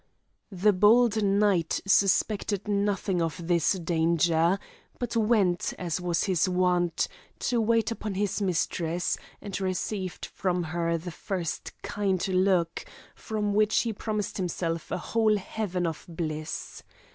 The bold knight suspected nothing of this danger, but went, as was his wont, to wait upon his mistress, and received from her the first kind look, from which he promised himself a whole heaven of bliss.